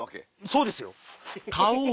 そうですよ。